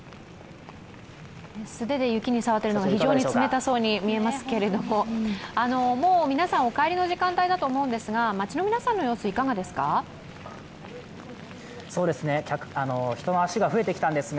素手で雪に触っているのが非常に冷たそうに見えますが、もう皆さん、お帰りの時間帯だと思うんですが街の皆さんの様子いかがですか？